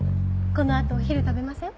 この後お昼食べません？